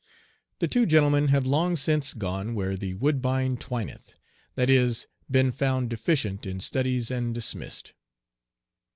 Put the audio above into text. The two gentlemen have long since gone where the "woodbine twineth" that is, been found deficient in studies and dismissed.